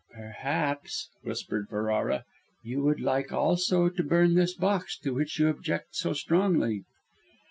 "Perhaps," whispered Ferrara, "you would like also to burn this box to which you object so strongly?"